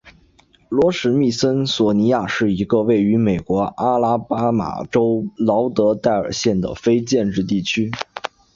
罗史密森索尼亚是一个位于美国阿拉巴马州劳德代尔县的非建制地区。